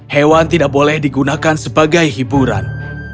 hewan tidak boleh digunakan sebagai hiburan